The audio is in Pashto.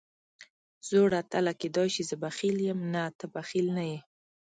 زوړ اتله، کېدای شي زه بخیل یم، نه ته بخیل نه یې.